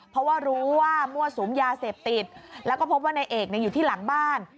เพราะว่ารู้ว่ามั่วสุมยาเสพติดแล้วก็พบว่านายเอกอยู่ที่หลังบ้าน